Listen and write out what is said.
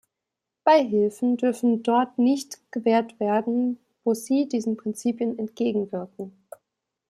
Beihilfen dürfen dort nicht gewährt werden, wo sie diesen Prinzipien entgegenwirken.